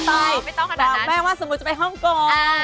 แล้วก็ว่าแบบเมื่อสมมุติจะไปห้องคง